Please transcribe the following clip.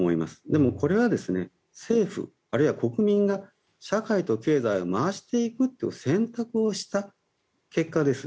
でも、これは政府、あるいは国民が社会と経済を回していくっていう選択をした結果です。